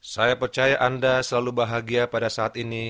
saya percaya anda selalu bahagia pada saat ini